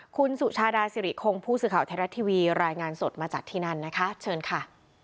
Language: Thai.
คุณสุชาดาสิริคงผู้สื่อข่าวไทยรัฐทีวีรายงานสดมาจากที่นั่นนะคะเชิญค่ะ